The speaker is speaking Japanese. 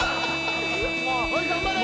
ほい頑張れ。